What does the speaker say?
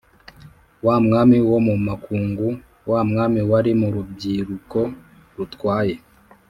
Wa mwami wo mu makungu: wa mwami wari mu rubyiruko rutyaye,